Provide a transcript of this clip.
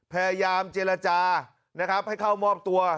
พยายามเจรจานะครับให้เข้ามอบตัว